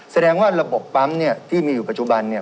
แสดงว่าระบบปั๊มเนี่ยที่มีอยู่ปัจจุบันเนี่ย